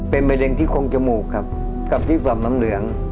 เป็นมะเร็งที่โครงจมูกครับกับที่ปล่อมน้ำเหลือง